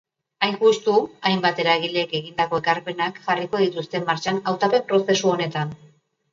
Hain justu, hainbat eragilek egindako ekarpenak jarriko dituzte martxan hautapen-prozesu honetan.